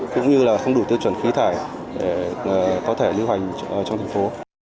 cũng như là không đủ tiêu chuẩn khí thải để có thể lưu hành trong thành phố